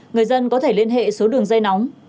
người dân có thể liên hệ số đường dây nóng